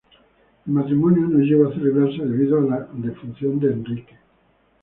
El matrimonio no llegó a celebrarse debido a la defunción de Enrique.